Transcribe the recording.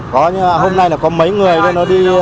có nhưng mà hôm nay là có mấy người nó đi hợp đồng ấy thì em ấy